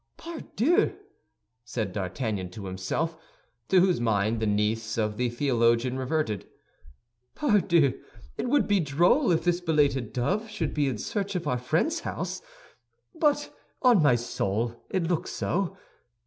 "Pardieu!" said D'Artagnan to himself, to whose mind the niece of the theologian reverted, "pardieu, it would be droll if this belated dove should be in search of our friend's house. But on my soul, it looks so.